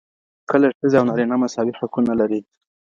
کله ښځي او نارینه مساوي حقونه لري؟